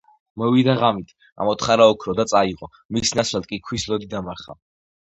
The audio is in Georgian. მივიდა ღამით, ამოთხარა ოქრო და წაიღო, მის ნაცვლად კი ქვის ლოდი დამარხა.